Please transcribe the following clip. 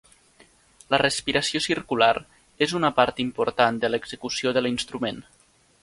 La respiració circular és una part important de l'execució de l'instrument.